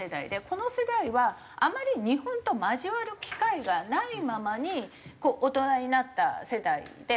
この世代はあまり日本と交わる機会がないままに大人になった世代で。